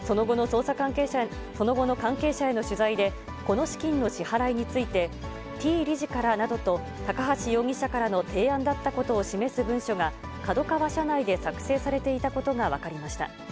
その後の関係者への取材で、この資金の支払いについて、Ｔ理事からなどと、高橋容疑者からの提案だったことを示す文書が、ＫＡＤＯＫＡＷＡ社内で作成されていたことが分かりました。